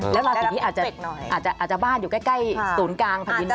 แล้วราศีนี้อาจจะบ้านอยู่ใกล้ศูนย์กลางแผ่นดิน